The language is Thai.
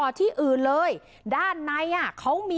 โดนสั่งแอป